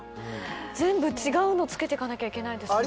全部違うの付けていかなきゃいけないんですもんね。